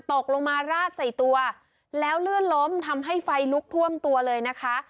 ตกลงมาราดใส่ตัวแล้วลื่นล้มทำให้ไฟลุกท่วมตัวเลยนะคะ